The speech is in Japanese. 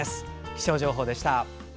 気象情報でした。